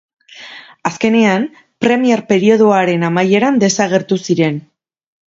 Azkenean, permiar periodoaren amaieran desagertu ziren.